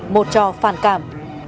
một trò phản cảm